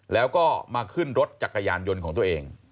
แล้วก็มาขึ้นรถจักรยานยนต์ของตัวเอง